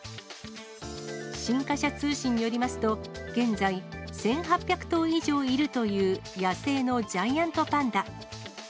新華社通信によりますと、現在、１８００頭以上いるという野生のジャイアントパンダ。